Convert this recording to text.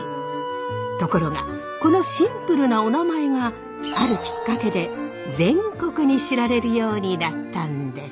ところがこのシンプルなおなまえがあるきっかけで全国に知られるようになったんです。